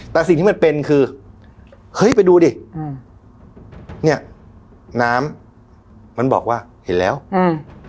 แต่สิ่งที่มันเป็นคือเฮ้ยไปดูดิอืมเนี้ยน้ำมันบอกว่าเห็นแล้วอืม